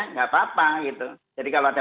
nggak apa apa gitu jadi kalau ada